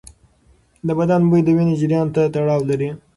د بدن بوی د وینې جریان ته تړاو لري.